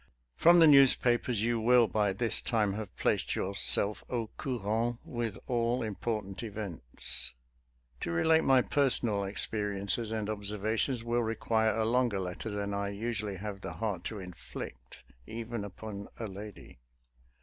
From the newspapers you will by this time have placed yourself au coura/nt with all important events. To relate my personal experiences and observations will require a longer letter than I usually have the heart to inflict, even upon a lady.